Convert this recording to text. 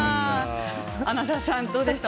穴澤さん、どうでした？